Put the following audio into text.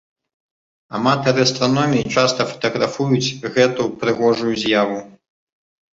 Аматары астраноміі часта фатаграфуюць гэту прыгожую з'яву.